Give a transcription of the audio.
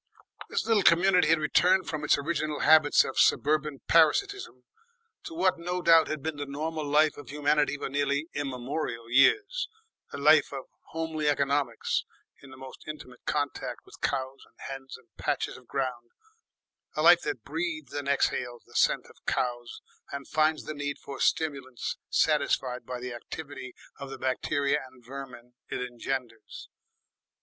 This little community had returned from its original habits of suburban parasitism to what no doubt had been the normal life of humanity for nearly immemorial years, a life of homely economies in the most intimate contact with cows and hens and patches of ground, a life that breathes and exhales the scent of cows and finds the need for stimulants satisfied by the activity of the bacteria and vermin it engenders.